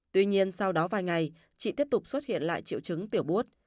tuy nhiên sau đó vài ngày chị tiếp tục xuất hiện lại triệu chứng tiểu bút